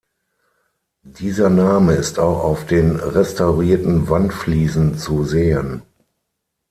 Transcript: Dieser Name ist auch auf den restaurierten Wandfliesen zu sehen.